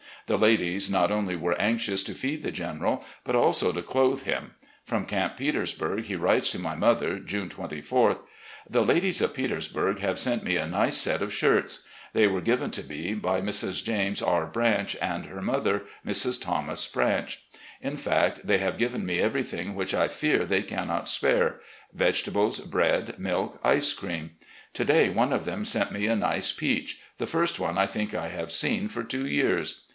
The ladies not only were anxious to feed the General, but also to clothe him. From Camp Petersburg he writes to my mother, June 24th: .. The ladies of Petersburg have sent me a nice set of shirts. They were given to me by Mrs. James FRONTING THE ARMY OF THE POTOMAC 133 R. Branch and her mother, Mrs. Thomas Branch. In fact, they have given me ever3rthing, which I fear they cannot spare — ^vegetables, bread, milk, ice cream. To day one of them sent me a nice peach — ^the first one I think I have seen for two years.